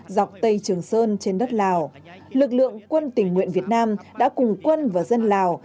dọc tây trường sơn trên đất lào lực lượng quân tình nguyện việt nam đã cùng quân và dân lào